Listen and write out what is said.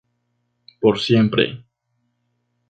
Por siempre".